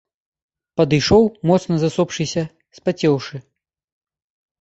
Падышоў, моцна засопшыся, спацеўшы.